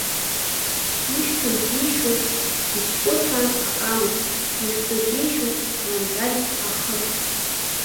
Ишьҭоу џьишьоит иҭкәыцәаан аҟама, ихьӡо џьишьоит мамзаргь ахы.